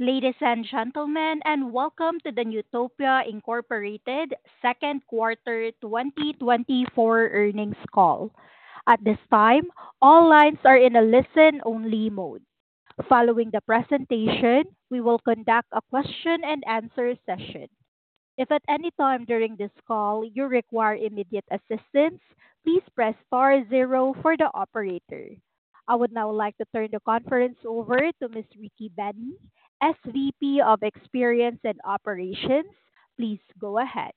Ladies and gentlemen, and welcome to the Newtopia Incorporated second quarter 2024 earnings call. At this time, all lines are in a listen-only mode. Following the presentation, we will conduct a question and answer session. If at any time during this call you require immediate assistance, please press star zero for the operator. I would now like to turn the conference over to Ms. Rikki Bennie, SVP of Experience and Operations. Please go ahead.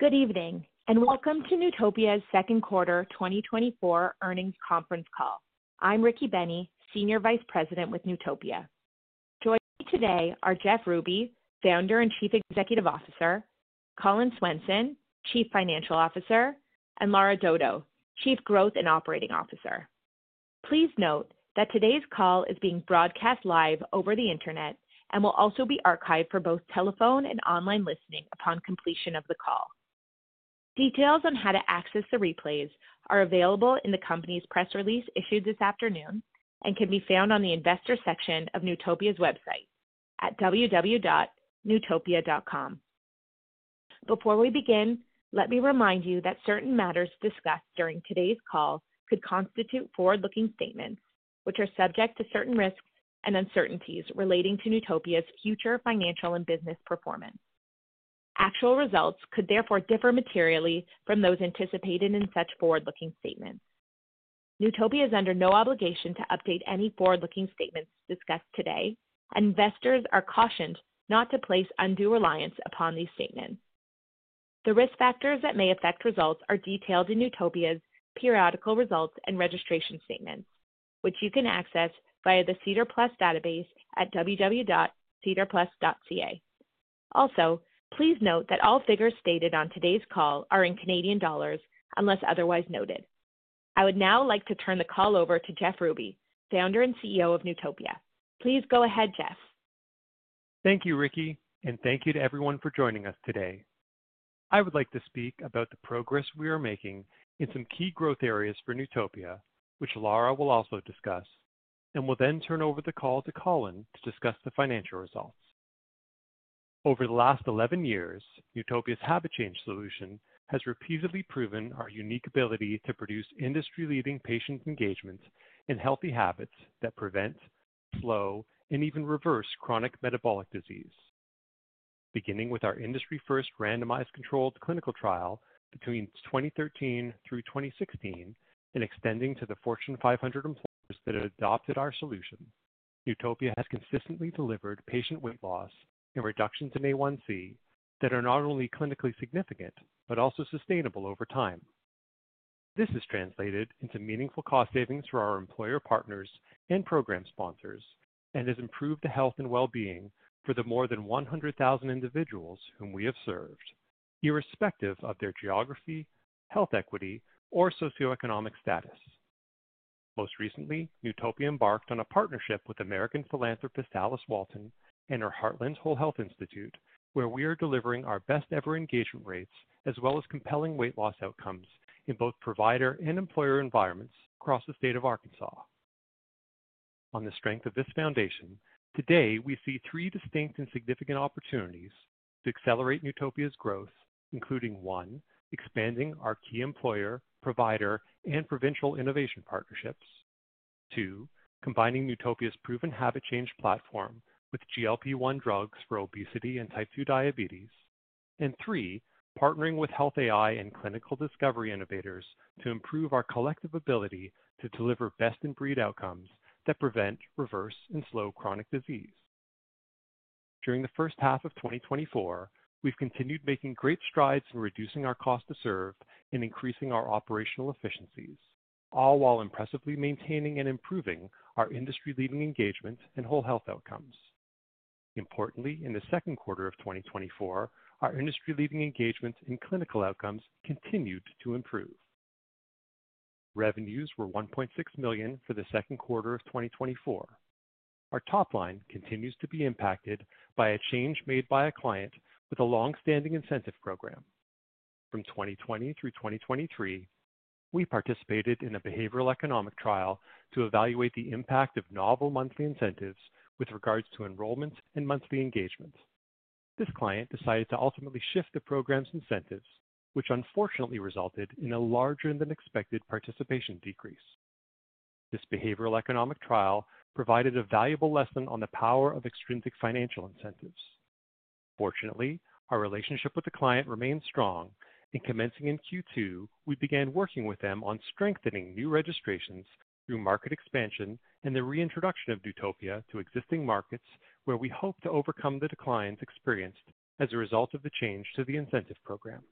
Good evening, and welcome to Newtopia's second quarter 2024 earnings conference call. I'm Rikki Bennie, Senior Vice President with Newtopia. Joining me today are Jeff Ruby, Founder and Chief Executive Officer, Collin Swenson, Chief Financial Officer, and Lara Dodo, Chief Growth and Operating Officer. Please note that today's call is being broadcast live over the Internet and will also be archived for both telephone and online listening upon completion of the call. Details on how to access the replays are available in the company's press release issued this afternoon and can be found on the investor section of Newtopia's website at www.newtopia.com. Before we begin, let me remind you that certain matters discussed during today's call could constitute forward-looking statements, which are subject to certain risks and uncertainties relating to Newtopia's future financial and business performance. Actual results could therefore differ materially from those anticipated in such forward-looking statements. Newtopia is under no obligation to update any forward-looking statements discussed today, and investors are cautioned not to place undue reliance upon these statements. The risk factors that may affect results are detailed in Newtopia's periodic results and registration statements, which you can access via the SEDAR+ database at www.sedarplus.ca. Also, please note that all figures stated on today's call are in Canadian dollars, unless otherwise noted. I would now like to turn the call over to Jeff Ruby, Founder and CEO of Newtopia. Please go ahead, Jeff. Thank you, Rikki, and thank you to everyone for joining us today. I would like to speak about the progress we are making in some key growth areas for Newtopia, which Lara will also discuss, and will then turn over the call to Collin to discuss the financial results. Over the last 11 years, Newtopia's habit change solution has repeatedly proven our unique ability to produce industry-leading patient engagement and healthy habits that prevent, slow, and even reverse chronic metabolic disease. Beginning with our industry-first randomized controlled clinical trial between 2013 through 2016 and extending to the Fortune 500 employers that have adopted our solution, Newtopia has consistently delivered patient weight loss and reduction to A1C that are not only clinically significant, but also sustainable over time. This has translated into meaningful cost savings for our employer partners and program sponsors and has improved the health and well-being for the more than 100,000 individuals whom we have served, irrespective of their geography, health equity, or socioeconomic status. Most recently, Newtopia embarked on a partnership with American philanthropist Alice Walton and her Heartland Whole Health Institute, where we are delivering our best-ever engagement rates as well as compelling weight loss outcomes in both provider and employer environments across the state of Arkansas. On the strength of this foundation, today, we see three distinct and significant opportunities to accelerate Newtopia's growth, including, one, expanding our key employer, provider, and provincial innovation partnerships. Two, combining Newtopia's proven habit change platform with GLP-1 drugs for obesity and type 2 diabetes. And three, partnering with health AI and clinical discovery innovators to improve our collective ability to deliver best in breed outcomes that prevent, reverse, and slow chronic disease. During the first half of 2024, we've continued making great strides in reducing our cost to serve and increasing our operational efficiencies, all while impressively maintaining and improving our industry-leading engagement and whole health outcomes. Importantly, in the second quarter of 2024, our industry-leading engagement and clinical outcomes continued to improve. Revenues were 1.6 million for the second quarter of 2024. Our top line continues to be impacted by a change made by a client with a long-standing incentive program. From 2020 through 2023, we participated in a behavioral economic trial to evaluate the impact of novel monthly incentives with regards to enrollment and monthly engagements. This client decided to ultimately shift the program's incentives, which unfortunately resulted in a larger-than-expected participation decrease. This behavioral economic trial provided a valuable lesson on the power of extrinsic financial incentives. Fortunately, our relationship with the client remains strong, and commencing in Q2, we began working with them on strengthening new registrations through market expansion and the reintroduction of Newtopia to existing markets, where we hope to overcome the declines experienced as a result of the change to the incentive program.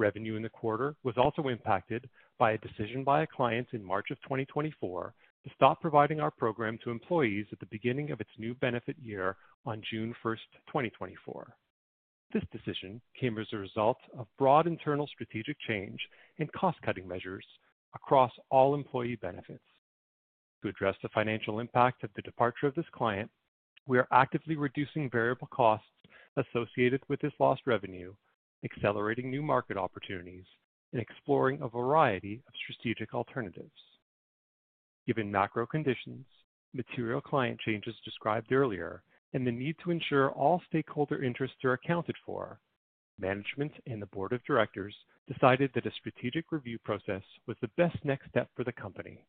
Revenue in the quarter was also impacted by a decision by a client in March 2024 to stop providing our program to employees at the beginning of its new benefit year on June 1st, 2024. This decision came as a result of broad internal strategic change and cost-cutting measures across all employee benefits.... To address the financial impact of the departure of this client, we are actively reducing variable costs associated with this lost revenue, accelerating new market opportunities, and exploring a variety of strategic alternatives. Given macro conditions, material client changes described earlier, and the need to ensure all stakeholder interests are accounted for, management and the board of directors decided that a strategic review process was the best next step for the company.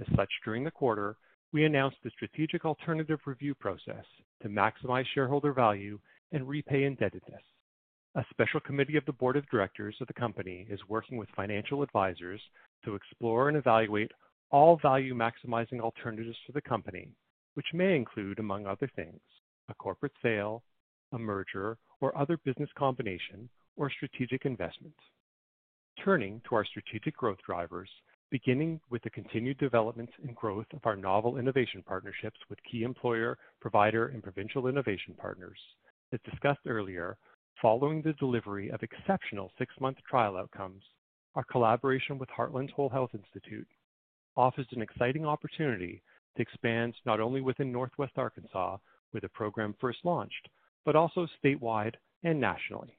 As such, during the quarter, we announced the strategic alternative review process to maximize shareholder value and repay indebtedness. A special committee of the board of directors of the company is working with financial advisors to explore and evaluate all value-maximizing alternatives to the company, which may include, among other things, a corporate sale, a merger, or other business combination, or strategic investments. Turning to our strategic growth drivers, beginning with the continued development and growth of our novel innovation partnerships with key employer, provider, and provincial innovation partners. As discussed earlier, following the delivery of exceptional six-month trial outcomes, our collaboration with Heartland Whole Health Institute offers an exciting opportunity to expand not only within Northwest Arkansas, where the program first launched, but also statewide and nationally.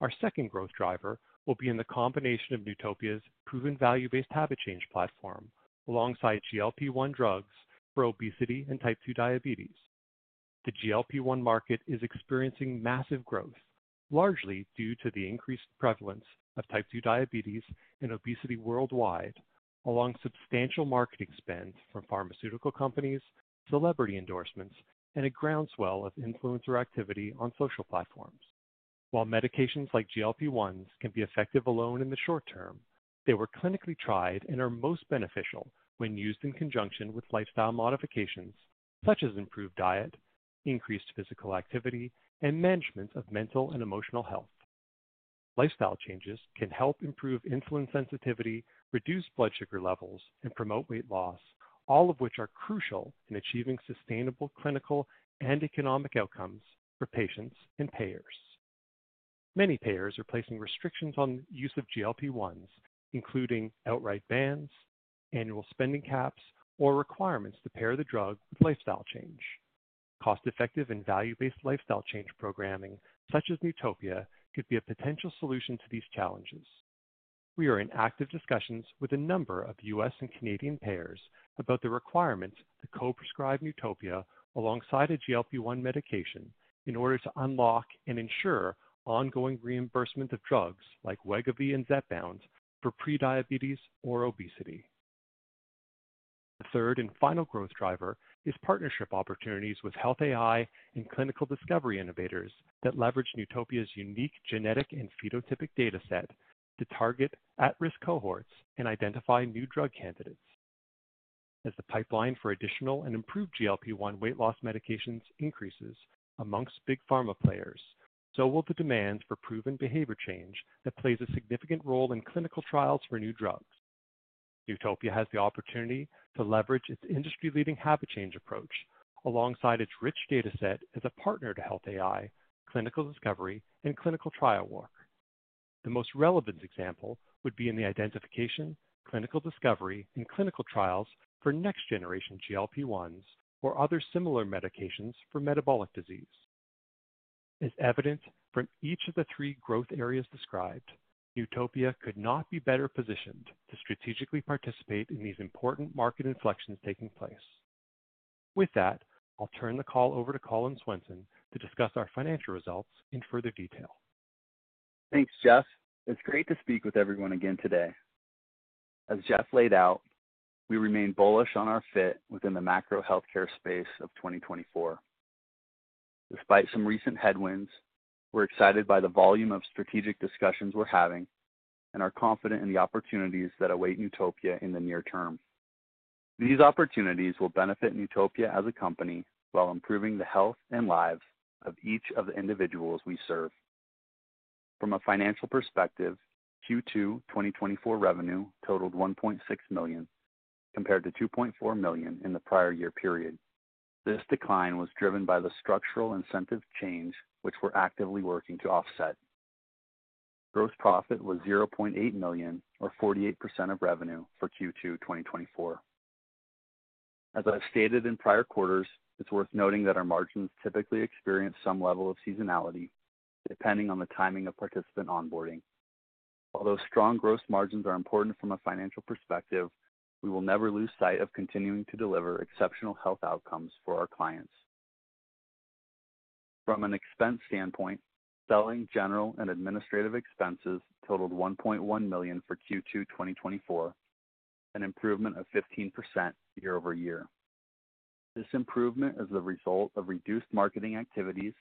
Our second growth driver will be in the combination of Newtopia's proven value-based habit change platform, alongside GLP-1 drugs for obesity and type 2 diabetes. The GLP-1 market is experiencing massive growth, largely due to the increased prevalence of type 2 diabetes and obesity worldwide, along substantial marketing spends from pharmaceutical companies, celebrity endorsements, and a groundswell of influencer activity on social platforms. While medications like GLP-1s can be effective alone in the short term, they were clinically tried and are most beneficial when used in conjunction with lifestyle modifications such as improved diet, increased physical activity, and management of mental and emotional health. Lifestyle changes can help improve insulin sensitivity, reduce blood sugar levels, and promote weight loss, all of which are crucial in achieving sustainable clinical and economic outcomes for patients and payers. Many payers are placing restrictions on use of GLP-1s, including outright bans, annual spending caps, or requirements to pair the drug with lifestyle change. Cost-effective and value-based lifestyle change programming, such as Newtopia, could be a potential solution to these challenges. We are in active discussions with a number of U.S. and Canadian payers about the requirement to co-prescribe Newtopia alongside a GLP-1 medication in order to unlock and ensure ongoing reimbursement of drugs like Wegovy and Zepbound for prediabetes or obesity. The third and final growth driver is partnership opportunities with health AI and clinical discovery innovators that leverage Newtopia's unique genetic and phenotypic data set to target at-risk cohorts and identify new drug candidates. As the pipeline for additional and improved GLP-1 weight loss medications increases among big pharma players, so will the demand for proven behavior change that plays a significant role in clinical trials for new drugs. Newtopia has the opportunity to leverage its industry-leading habit change approach alongside its rich data set as a partner to health AI, clinical discovery, and clinical trial work. The most relevant example would be in the identification, clinical discovery, and clinical trials for next generation GLP-1s or other similar medications for metabolic disease. As evident from each of the three growth areas described, Newtopia could not be better positioned to strategically participate in these important market inflections taking place. With that, I'll turn the call over to Collin Swenson to discuss our financial results in further detail. Thanks, Jeff. It's great to speak with everyone again today. As Jeff laid out, we remain bullish on our fit within the macro healthcare space of 2024. Despite some recent headwinds, we're excited by the volume of strategic discussions we're having and are confident in the opportunities that await Newtopia in the near term. These opportunities will benefit Newtopia as a company, while improving the health and lives of each of the individuals we serve. From a financial perspective, Q2 2024 revenue totaled 1.6 million, compared to 2.4 million in the prior year period. This decline was driven by the structural incentive change, which we're actively working to offset. Gross profit was 0.8 million, or 48% of revenue for Q2 2024. As I've stated in prior quarters, it's worth noting that our margins typically experience some level of seasonality, depending on the timing of participant onboarding. Although strong gross margins are important from a financial perspective, we will never lose sight of continuing to deliver exceptional health outcomes for our clients. From an expense standpoint, selling general and administrative expenses totaled 1.1 million for Q2 2024, an improvement of 15% year-over-year. This improvement is the result of reduced marketing activities,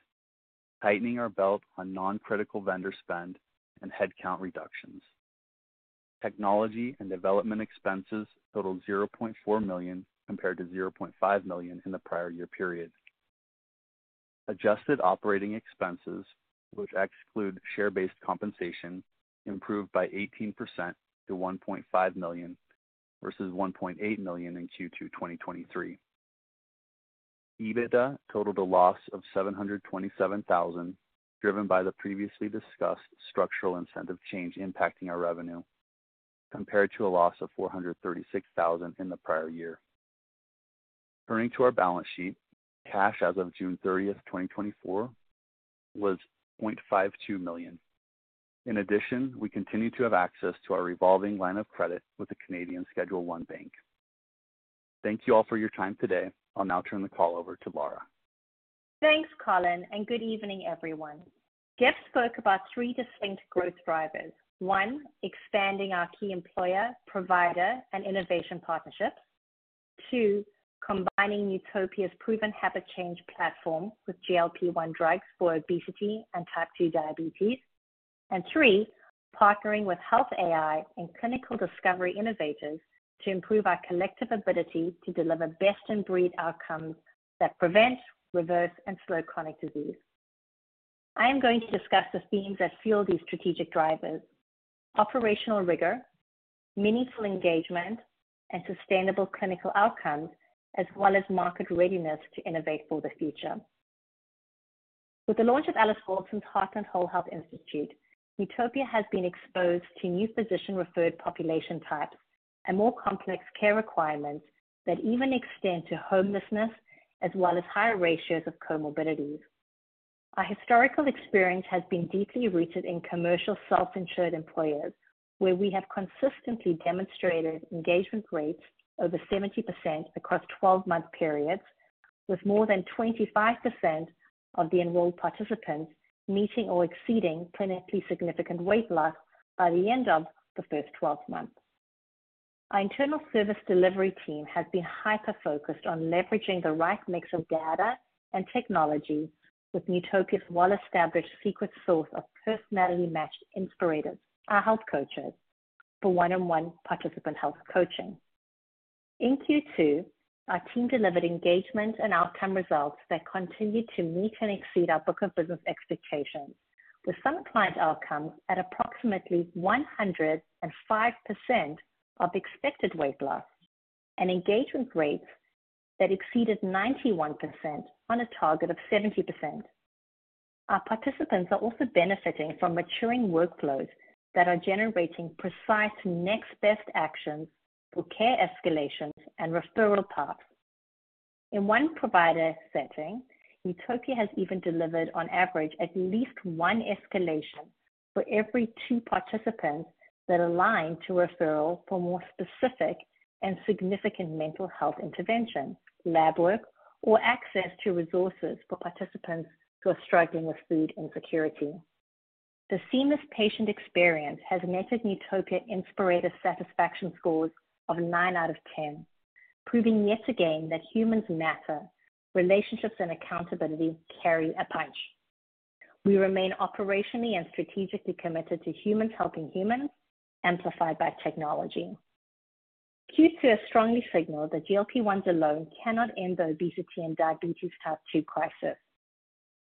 tightening our belt on non-critical vendor spend, and headcount reductions. Technology and development expenses totaled 0.4 million, compared to 0.5 million in the prior year period. Adjusted operating expenses, which exclude share-based compensation, improved by 18% to 1.5 million, versus 1.8 million in Q2 2023. EBITDA totaled a loss of 727,000, driven by the previously discussed structural incentive change impacting our revenue, compared to a loss of 436,000 in the prior year. Turning to our balance sheet, cash as of June 30th, 2024, was 0.52 million. In addition, we continue to have access to our revolving line of credit with the Canadian Schedule I bank. Thank you all for your time today. I'll now turn the call over to Lara. Thanks, Collin, and good evening, everyone. Jeff spoke about three distinct growth drivers. One, expanding our key employer, provider, and innovation partnerships. Two, combining Newtopia's proven habit change platform with GLP-1 drugs for obesity and type 2 diabetes. And three, partnering with health AI and clinical discovery innovators to improve our collective ability to deliver best-in-breed outcomes that prevent, reverse, and slow chronic disease. I am going to discuss the themes that fuel these strategic drivers, operational rigor, meaningful engagement, and sustainable clinical outcomes, as well as market readiness to innovate for the future. With the launch of Alice Walton's Heartland Whole Health Institute, Newtopia has been exposed to new physician-referred population types and more complex care requirements that even extend to homelessness, as well as higher ratios of comorbidities. Our historical experience has been deeply rooted in commercial self-insured employers, where we have consistently demonstrated engagement rates over 70% across 12-month periods, with more than 25% of the enrolled participants meeting or exceeding clinically significant weight loss by the end of the first 12 months. Our internal service delivery team has been hyper-focused on leveraging the right mix of data and technology with Newtopia's well-established secret sauce of personality-matched Inspirators, our health coaches, for one-on-one participant health coaching. In Q2, our team delivered engagement and outcome results that continued to meet and exceed our book of business expectations, with some client outcomes at approximately 105% of expected weight loss and engagement rates that exceeded 91% on a target of 70%. Our participants are also benefiting from maturing workflows that are generating precise next-best actions for care escalations and referral paths. In one provider setting, Newtopia has even delivered, on average, at least one escalation for every two participants that align to referral for more specific and significant mental health intervention, lab work, or access to resources for participants who are struggling with food insecurity. The seamless patient experience has netted Newtopia inspirational satisfaction scores of nine out of ten, proving yet again that humans matter. Relationships and accountability carry a punch. We remain operationally and strategically committed to humans helping humans, amplified by technology. Q2 has strongly signaled that GLP-1s alone cannot end the obesity and type 2 diabetes crisis.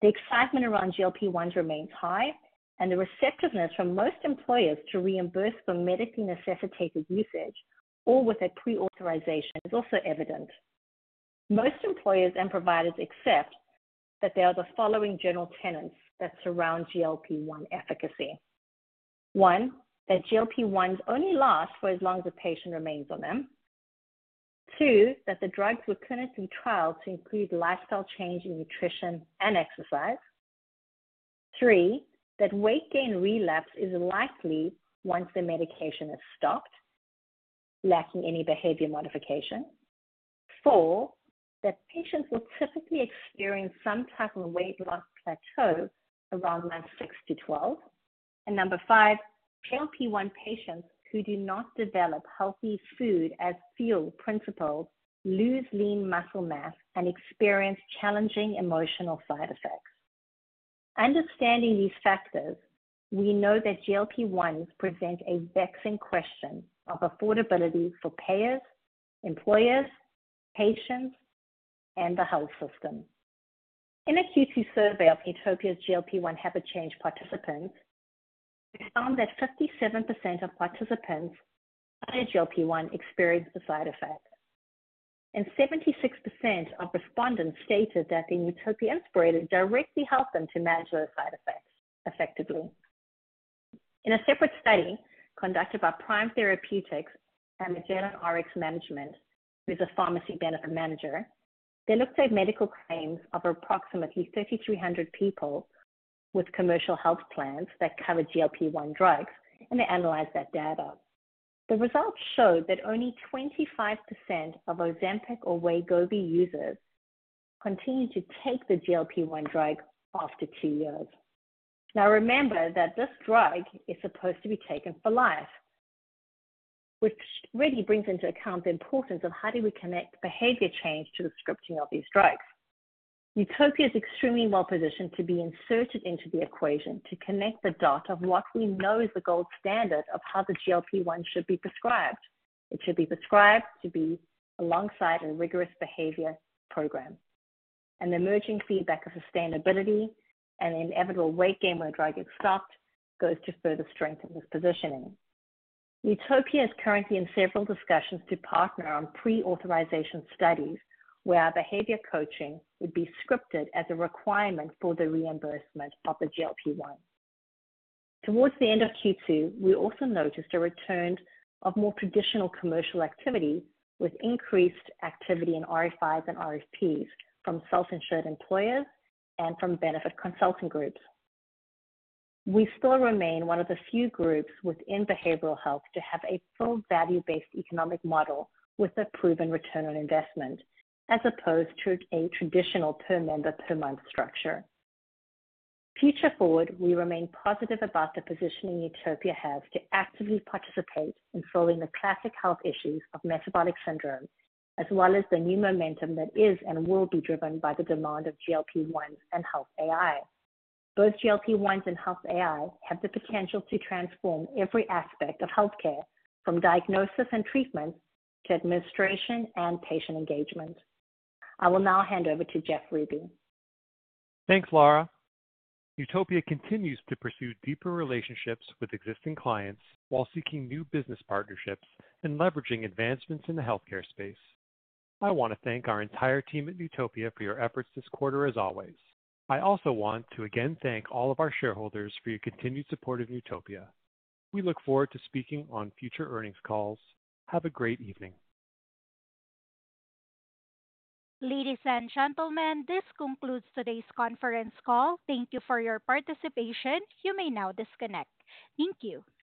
The excitement around GLP-1s remains high, and the receptiveness from most employers to reimburse for medically necessitated usage or with a pre-authorization is also evident. Most employers and providers accept that there are the following general tenets that surround GLP-1 efficacy. 1, that GLP-1s only last for as long as the patient remains on them. 2, that the drugs were clinically trialed to include lifestyle change in nutrition and exercise. 3, that weight gain relapse is likely once the medication is stopped, lacking any behavior modification. 4, that patients will typically experience some type of weight loss plateau around month 6-12. And 5, GLP-1 patients who do not develop healthy food as fuel principles, lose lean muscle mass and experience challenging emotional side effects. Understanding these factors, we know that GLP-1s present a vexing question of affordability for payers, employers, patients, and the health system. In a Q2 survey of Newtopia's GLP-1 habit change participants, we found that 57% of participants on a GLP-1 experienced a side effect, and 76% of respondents stated that the Newtopia Inspirator directly helped them to manage those side effects effectively. In a separate study conducted by Prime Therapeutics and Magellan Rx Management, who is a pharmacy benefit manager, they looked at medical claims of approximately 3,300 people with commercial health plans that cover GLP-1 drugs, and they analyzed that data. The results showed that only 25% of Ozempic or Wegovy users continued to take the GLP-1 drug after two years. Now, remember that this drug is supposed to be taken for life, which really brings into account the importance of how do we connect behavior change to the scripting of these drugs. Newtopia is extremely well positioned to be inserted into the equation, to connect the dots of what we know is the gold standard of how the GLP-1 should be prescribed. It should be prescribed to be alongside a rigorous behavior program, and the emerging feedback of sustainability and inevitable weight gain when drug is stopped goes to further strengthen this positioning. Newtopia is currently in several discussions to partner on pre-authorization studies, where our behavior coaching would be scripted as a requirement for the reimbursement of the GLP-1. Towards the end of Q2, we also noticed a return of more traditional commercial activity, with increased activity in RFIs and RFPs from self-insured employers and from benefit consulting groups. We still remain one of the few groups within behavioral health to have a full value-based economic model with a proven return on investment, as opposed to a traditional per-member, per-month structure. Future forward, we remain positive about the positioning Newtopia has to actively participate in solving the classic health issues of metabolic syndrome, as well as the new momentum that is and will be driven by the demand of GLP-1 and health AI. Both GLP-1 and health AI have the potential to transform every aspect of healthcare, from diagnosis and treatment to administration and patient engagement. I will now hand over to Jeff Ruby. Thanks, Lara. Newtopia continues to pursue deeper relationships with existing clients while seeking new business partnerships and leveraging advancements in the healthcare space. I want to thank our entire team at Newtopia for your efforts this quarter as always. I also want to again thank all of our shareholders for your continued support of Newtopia. We look forward to speaking on future earnings calls. Have a great evening. Ladies and gentlemen, this concludes today's conference call. Thank you for your participation. You may now disconnect. Thank you.